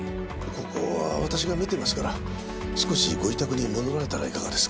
ここは私が見てますから少しご自宅に戻られたらいかがですか？